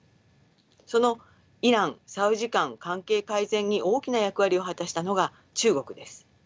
そのイラン・サウジ間関係改善に大きな役割を果たしたのが中国です。